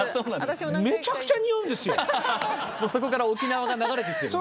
そこから沖縄が流れてきてる。